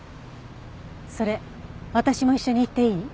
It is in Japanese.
それ私も一緒に行っていい？